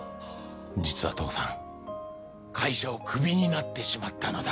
実は父さん会社を首になってしまったのだ。